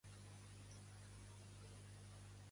I quant de temps va estar creant-ne?